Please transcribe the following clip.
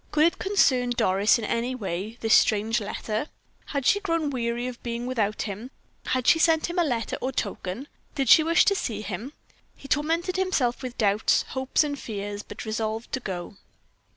Could it concern Doris in any way, this strange letter? Had she grown weary of being without him? Had she sent him a letter or token? Did she wish to see him? He tormented himself with doubts, hopes, and fears, but resolved to go.